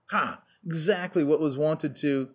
Ha! Exactly what was wanted to..."